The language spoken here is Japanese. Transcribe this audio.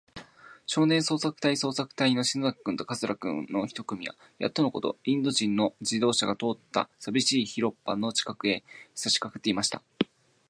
少年捜索隊そうさくたいの篠崎君と桂君の一組は、やっとのこと、インド人の自動車が通ったさびしい広っぱの近くへ、さしかかっていました。